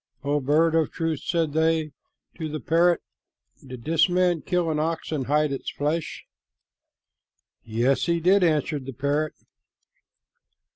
"O bird of truth," said they to the parrot, "did this man kill an ox and hide its flesh?" "Yes, he did," answered the parrot.